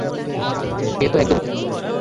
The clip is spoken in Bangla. এ তো একদম দুর্বল!